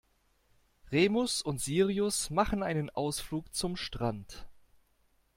Remus und Sirius machen einen Ausflug zum Strand.